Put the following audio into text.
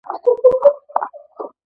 افغانستان د لعل لپاره مشهور دی.